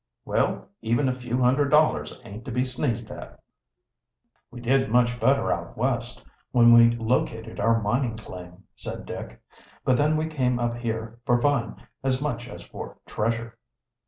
"Well, even a few hundred dollars aint to be sneezed at." "We did much better out West, when we located our mining claim," said Dick. "But then we came up here for fun as much as for treasure."